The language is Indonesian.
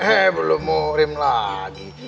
eh belum muhrim lagi